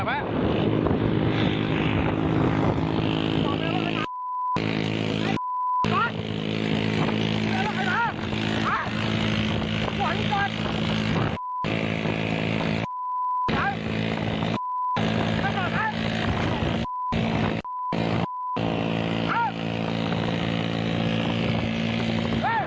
เห็นไหมไหมเอาเรื่องที่รอดล่ะอะ